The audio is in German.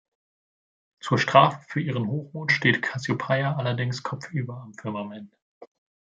Zur Strafe für ihren Hochmut steht Kassiopeia allerdings kopfüber am Firmament.